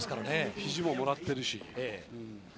ひじももらってるし。